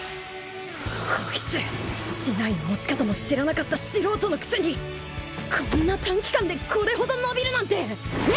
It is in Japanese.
こいつ竹刀の持ち方も知らなかった素人のくせにこんな短期間でこれほど伸びるなんて！面！